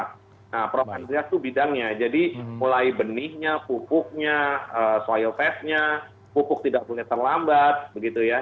nah prof andreas itu bidangnya jadi mulai benihnya pupuknya soil testnya pupuk tidak boleh terlambat begitu ya